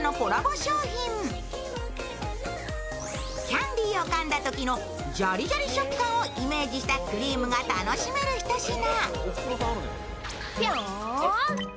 キャンディーをかんだときのジャリジャリ食感をイメージしたクリームが楽しめるひと品。